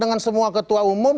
dengan semua ketua umum